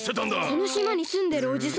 このしまにすんでるおじさん！